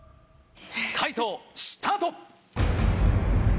解答スタート！